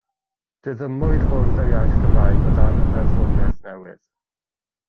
Diddymwyd Bwrdd yr Iaith Gymraeg o dan y ddeddfwriaeth newydd.